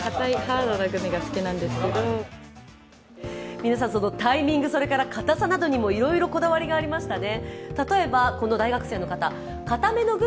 皆さん、タイミング硬さなどにもいろいろこだわりがありましたね。